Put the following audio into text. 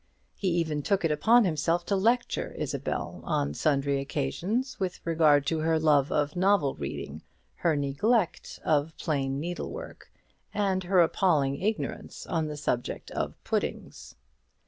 He even took upon himself to lecture Isabel, on sundry occasions, with regard to her love of novel reading, her neglect of plain needlework, and her appalling ignorance on the subject of puddings.